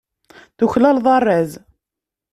Tuklaleḍ arraz.